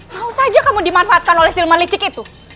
mau saja kamu dimanfaatkan oleh silman licik itu